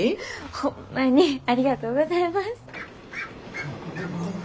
ホンマにありがとうございます。